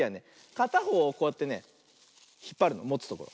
かたほうをこうやってねひっぱるのもつところ。